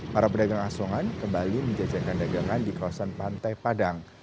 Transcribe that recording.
para pedagang asongan kembali menjajakan dagangan di kawasan pantai padang